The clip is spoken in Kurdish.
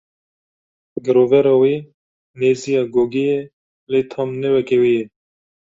Girovera wê nêzî ya gogê ye, lê tam ne weke wê ye.